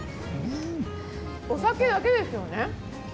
お酒だけですよね？